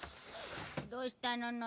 どうしたの？